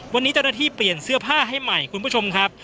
วันนี้เจ้าหน้าที่เปลี่ยนเสื้อผ้าให้ใหม่คุณผู้ชมครับ